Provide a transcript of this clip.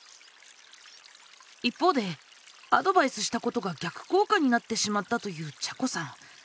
一方でアドバイスしたことが逆効果になってしまったというちゃこさん。